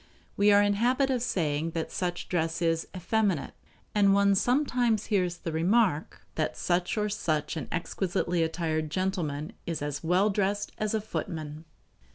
We are in the habit of saying that such dress is "effeminate"; and one sometimes hears the remark that such or such an exquisitely attired gentleman is as well dressed as a footman.